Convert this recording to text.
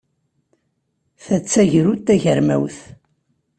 Ta d tagrut tagermawt.